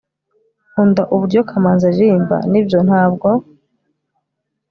ukunda uburyo kamanzi aririmba? nibyo. ntabwo